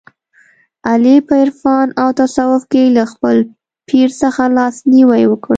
علي په عرفان او تصوف کې له خپل پیر څخه لاس نیوی وکړ.